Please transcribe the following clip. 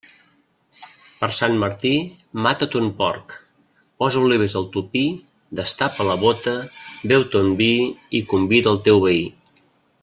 Per Sant Martí mata ton porc, posa olives al topí, destapa la bóta, beu ton vi i convida el teu veí.